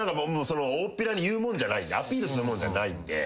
大っぴらに言うもんじゃないんでアピールするもんじゃないんで。